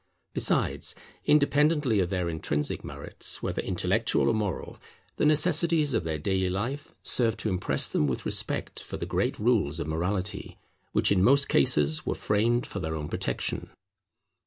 Besides, independently of their intrinsic merits, whether intellectual or moral, the necessities of their daily life serve to impress them with respect for the great rules of morality, which in most cases were framed for their own protection.